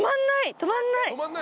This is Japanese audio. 止まんない。